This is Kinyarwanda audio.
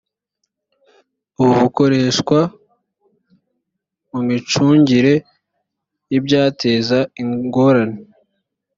ubu bukoreshwa mu micungire y ibyateza ingorane